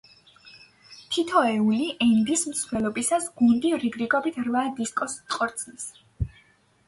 თითოეული „ენდის“ მსვლელობისას გუნდი რიგრიგობით რვა დისკოს ტყორცნის.